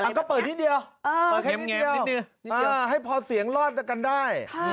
ก็เปิดนิดเดียวเปิดแค่นิดเดียวให้พอเสียงรอดกันได้